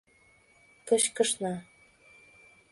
Кычкышна.